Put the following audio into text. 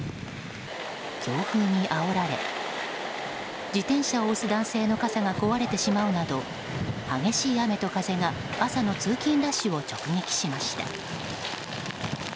強風にあおられ自転車を押す男性の傘が壊れてしまうなど激しい雨と風が朝の通勤ラッシュを直撃しました。